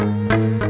kenapa sih klau